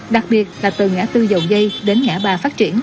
đặc biệt là từ ngã tư dầu dây đến ngã ba phát triển